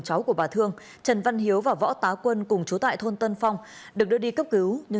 cháu của bà thương trần văn hiếu và võ tá quân cùng chú tại thôn tân phong được đưa đi cấp cứu nhưng